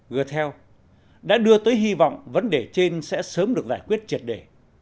gửi theo đã đưa tới hy vọng vấn đề trên sẽ sớm được giải quyết triệt để